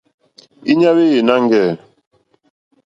Íɲá hwéyè nâŋɡɛ̂.